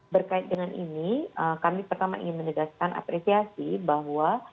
berkait dengan ini kami pertama ingin menegaskan apresiasi bahwa